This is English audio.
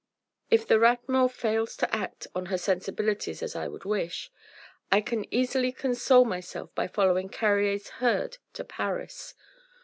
If the Rat Mort fails to act on her sensibilities as I would wish, I can easily console myself by following Carrier's herd to Paris.